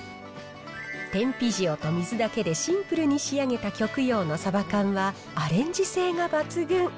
天日塩と水だけでシンプルに仕上げた極洋のサバ缶は、アレンジ性が抜群。